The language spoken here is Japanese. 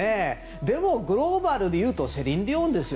でも、グローバルでいうとセリーヌ・ディオンですよ。